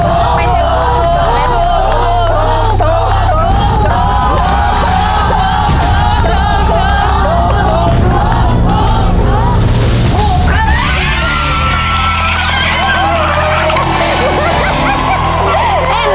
โทรโทรโทร